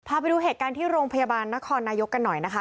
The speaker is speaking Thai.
พาไปดูเหตุการณ์ที่โรงพยาบาลนครนายกกันหน่อยนะคะ